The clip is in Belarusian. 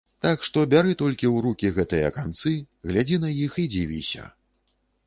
Так што бяры толькі ў рукі гэтыя канцы, глядзі на іх і дзівіся.